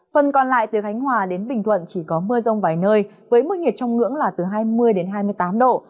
phần còn lại từ khánh hòa đến bình thuận chỉ có mưa rông vài nơi với mức nhiệt trong ngưỡng là từ hai mươi đến hai mươi tám độ